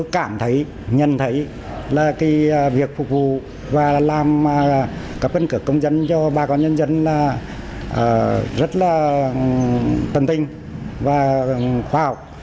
cảm thấy nhận thấy là việc phục vụ và làm cấp cân cước công dân cho bà con nhân dân là rất là tân tinh và khoa học